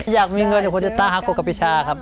อยากมีเงินให้คนเจ้าตาฮักกกับพิชาครับ